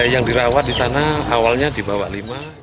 yang dirawat di sana awalnya dibawah lima